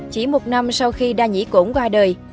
chỉ một năm sau khi đa nhĩ cổn qua đời